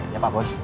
ya pak bos